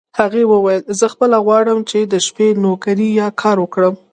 هغې وویل: زه خپله غواړم چې د شپې نوکري یا کار وکړم.